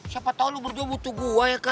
siapa tau lo berdua butuh gue ya kan